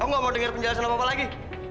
aku gak mau denger penjelasan lo apa lagi